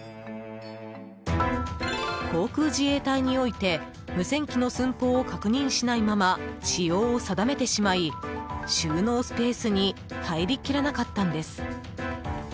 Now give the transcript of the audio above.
航空自衛隊において無線機の寸法を確認しないまま仕様を定めてしまい収納スペースに入りきらなかったんです。